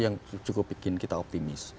yang cukup bikin kita optimis